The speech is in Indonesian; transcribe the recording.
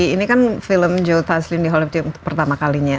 ini kan film joe taslim di hollywood pertama kalinya